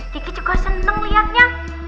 kiki juga senang melihatnya